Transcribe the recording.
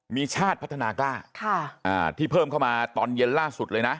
มีชาติพัฒนากล้าที่เพิ่มเข้ามาตอนเย็นล่าสุดเลยนะ